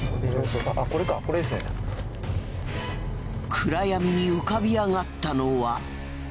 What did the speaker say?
暗闇に浮かび上がったのは。